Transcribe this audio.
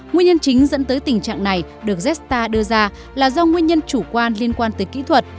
nguyên nhân chính dẫn tới tình trạng này được jetstar đưa ra là do nguyên nhân chủ quan liên quan tới kỹ thuật